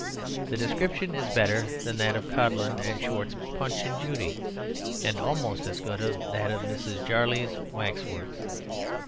The description is better than that of Codlin and Short's Punch and Judy, and almost as good as that of Mrs. Jarley's Wax Works.